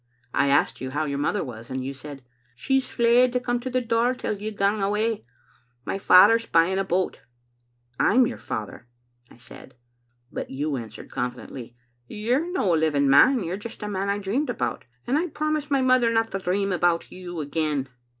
I asked you how your mother was, and you said, * She's fleid to come to the door till you gang awa, and my father's buying a boat. ' "'I'm your father,' I said; but you answered confi dently : "*You're no a living man. You're just a man I dreamed about ; and I promised my mother no to dream about you again.